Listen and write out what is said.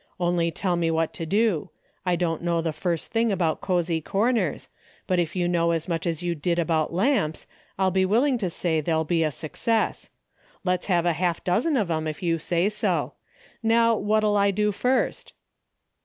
" Only tell me what to do. I don't know the first thing about cozy corners, but if you know as much as you did about lamps. I'll be willing to say they'll be a success. Let's have a half dozen of 'em if you say so. I^ow what'll I do first